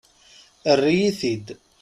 Err-iyi-t-id!